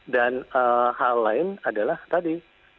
dan hal lain adalah tadi